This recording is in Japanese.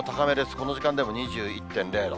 この時間でも２１．０度。